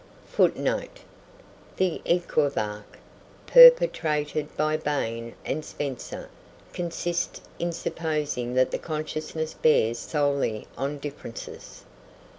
FOOTNOTES: [Footnote 50: The équivoque perpetrated by BAIN and SPENCER consists in supposing that the consciousness bears solely on differences.